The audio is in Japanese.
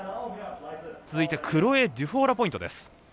続いてクロエ・デュフォーラポイント。